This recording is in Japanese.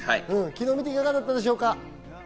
昨日見て、いかがだったんでしょうか？